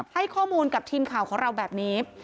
ให้ข้อมูลกับทีมข่าวของเราแบบนี้